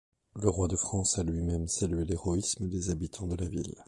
Le roi de France a lui-même salué l'héroïsme des habitants de la ville.